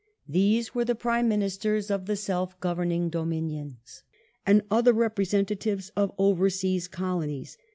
These were the Prime Ministei s of the self governing Dominions, and other representatives of over sea Colonies.